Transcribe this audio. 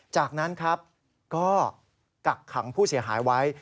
จากนั้นครับก็กักขังผู้เสียหายไว้